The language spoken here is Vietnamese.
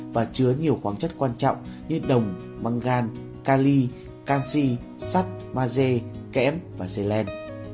và chứa nhiều khoáng chất quan trọng như đồng măng gan cali canxi sắt maze kẽm và xe len